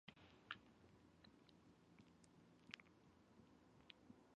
"Portishead" received critical acclaim upon its release.